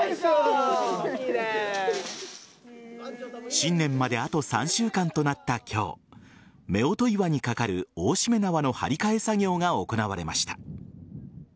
新年まであと３週間となった今日夫婦岩にかかる大しめ縄の張り替え作業が行われました。